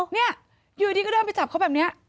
เนี่ยอยู่อย่างนี้ก็เริ่มไปจับเขาแบบนี้